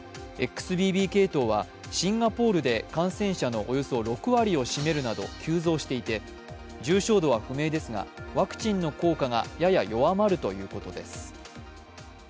ＸＢＢ系統はシンガポールで感染者のおよそ６割を占めるなど急増していて重症度は不明ですが、ワクチンの効果がやや弱まるということです。